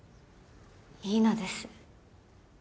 いいのです。